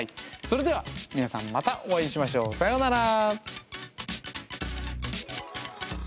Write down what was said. それでは皆さんまたお会いしましょう。さようなら。